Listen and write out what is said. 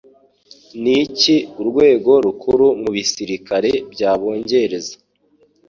Niki Urwego Rukuru Mubisirikare byabongereza